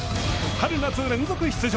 春夏連続出場